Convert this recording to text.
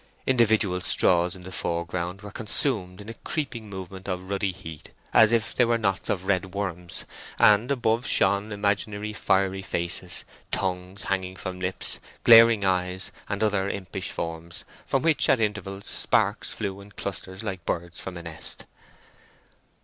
Individual straws in the foreground were consumed in a creeping movement of ruddy heat, as if they were knots of red worms, and above shone imaginary fiery faces, tongues hanging from lips, glaring eyes, and other impish forms, from which at intervals sparks flew in clusters like birds from a nest.